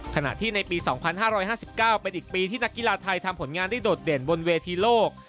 ขณะที่ในปี๒๕๕๙เป็นอีกปีที่นักกีฬาไทยทำผลงานได้โดดเด่นบนเวทีโลก